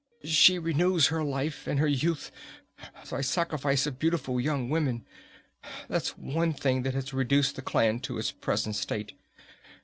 She renews her life and her youth by the sacrifice of beautiful young women. That's one thing that has reduced the clan to its present state.